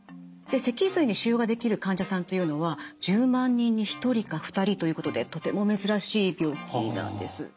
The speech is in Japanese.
で脊髄に腫瘍ができる患者さんというのは１０万人に１人か２人ということでとても珍しい病気なんです。